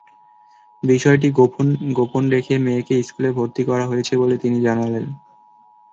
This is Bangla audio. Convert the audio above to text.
বিষয়টি গোপন রেখে মেয়েকে স্কুলে ভর্তি করা হয়েছে বলে তিনি জানালেন।